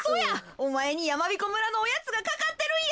おまえにやまびこ村のおやつがかかってるんや。